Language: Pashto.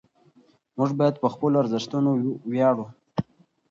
موږ باید په خپلو ارزښتونو ویاړو.